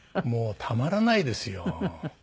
もうたまらないですよ。